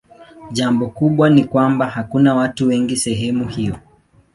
Jambo kubwa ni kwamba hakuna watu wengi sehemu hiyo.